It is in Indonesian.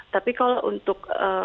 tapi kalau untuk